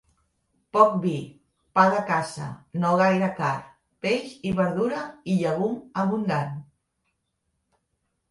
Poc vi, pa de casa, no gaire carn, peix i verdura i llegum, abundant.